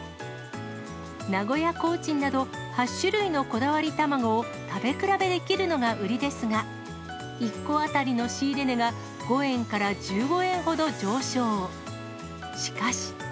名古屋コーチンなど８種類のこだわり卵を食べ比べできるのが売りですが、１個当たりの仕入れ値が５円から１５円ほど上昇。